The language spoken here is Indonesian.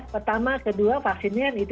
pertama kedua vaksinnya itu